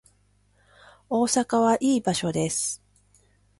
大阪はいい場所です